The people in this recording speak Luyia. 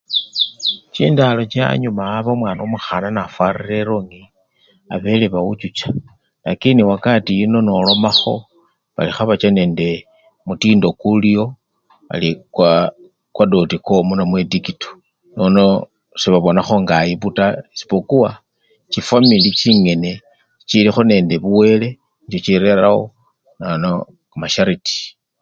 Chinfalo che anyumawo Abe omwana omukhana nafwarire elongi, abele bawuchucha lakini wakati yino nolomakho Bali khebacha nende kumutindo kuliwonbali kwadoti kome namwe dikito nono sebabonakho nende ayibu taa isipokuwa chifwamili chilikho nende buwele chichirerawo nono mashariti.